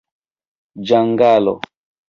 ĝangalo